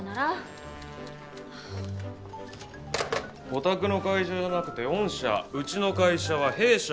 お宅の会社じゃなくて「御社」うちの会社は「弊社」。